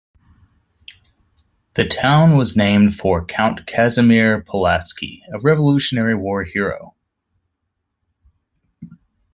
The town was named for Count Casimir Pulaski, a Revolutionary War hero.